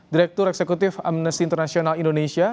direktur eksekutif amnesty international indonesia